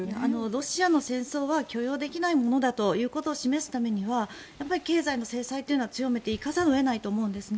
ロシアの戦争は許容できないものだということを示すためには経済の制裁は強めていかざるを得ないと思います。